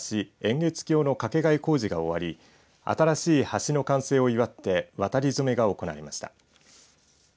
偃月橋の架け替え工事が終わり新しい橋の完成を祝って渡り初めが行われました。